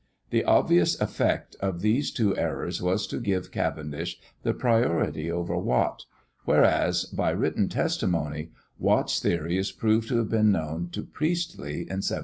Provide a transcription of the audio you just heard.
The obvious effect of these two errors was to give Cavendish the priority over Watt; whereas, by written testimony, Watt's theory is proved to have been known to Priestley in 1782.